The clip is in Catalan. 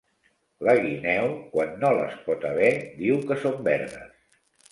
La guineu, quan no les pot haver, diu que són verdes.